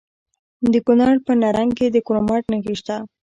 د کونړ په نرنګ کې د کرومایټ نښې شته.